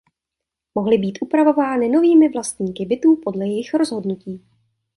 Mohly být upravovány novými vlastníky bytů podle jejich rozhodnutí.